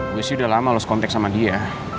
gue sih udah lama los kontak sama dia